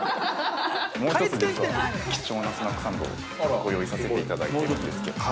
もう一つ、実は貴重なスナックサンドをご用意させていただいているんですけど。